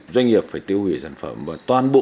doanh nghiệp phải tiêu hủy sản phẩm và toàn bộ